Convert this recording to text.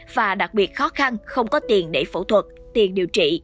và đặc biệt khó khăn không có tiền để phẫu thuật tiền điều trị